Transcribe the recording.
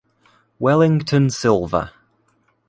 Wellington Silva.